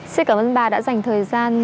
xin cảm ơn bà đã dành thời gian